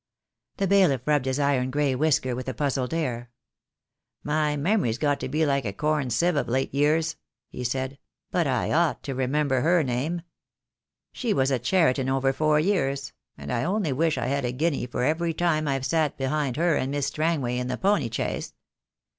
The bailiff rubbed his iron grey whisker with a puzzled air. "My memory's got to be like a corn sieve of late years," he said, "but I ought to remember her name. She was at Cheriton over four years, and I only wish I had a guinea for every time I've sat behind her and Miss Strangway in the pony chaise.